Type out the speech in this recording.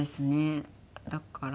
だから。